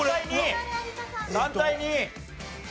３対２。